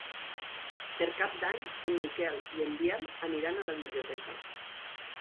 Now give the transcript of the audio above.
Per Cap d'Any en Miquel i en Biel aniran a la biblioteca.